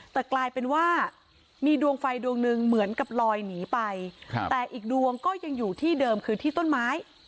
แต่กลายเป็นว่ามีดวงไฟดวงหนึ่งเหมือนกับลอยหนีไปแต่อีกดวงก็ยังอยู่ที่เดิมคือที่ต้นไม้